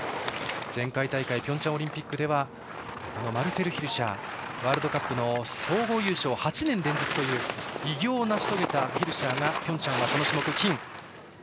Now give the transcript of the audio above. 前回ピョンチャンオリンピックではマルセル・ヒルシャーワールドカップの総合優勝８年連続という偉業を成し遂げたヒルシャーがピョンチャンはこの種目、金。